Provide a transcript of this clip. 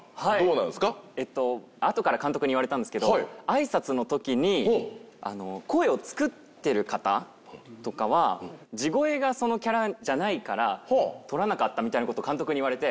えっとあとから監督に言われたんですけどあいさつの時に声を作ってる方とかは「地声がそのキャラじゃないから採らなかった」みたいな事を監督に言われて。